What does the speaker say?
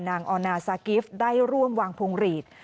ออนาซากิฟต์ได้ร่วมวางพวงหลีด